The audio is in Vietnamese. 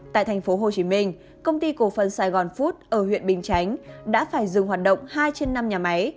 tại tp hcm công ty cổ phân saigon food ở huyện bình chánh đã phải dừng hoạt động hai trên năm nhà máy